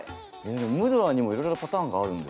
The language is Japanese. ムドラーにもいろいろなパターンがあるんですね。